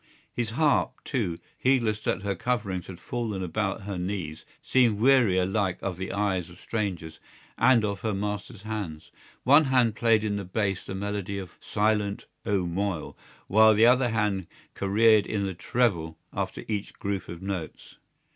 His harp, too, heedless that her coverings had fallen about her knees, seemed weary alike of the eyes of strangers and of her master's hands. One hand played in the bass the melody of Silent, O Moyle, while the other hand careered in the treble after each group of notes.